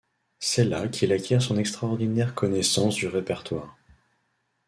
C'est là qu'il acquiert son extraordinaire connaissance du répertoire.